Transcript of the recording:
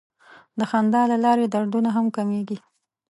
د خندا له لارې دردونه هم کمېږي.